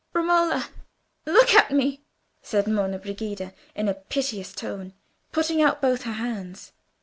"Romola, look at me!" said Monna Brigida, in a piteous tone, putting out both her hands.